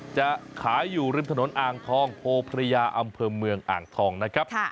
จะขายอยู่ริมถนนอ่างทองโพพระยาอำเภอเมืองอ่างทองนะครับ